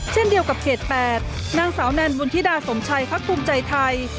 เช่นเดียวกับเขต๘นางสาวแนนบุญธิดาสมชัยพักภูมิใจไทย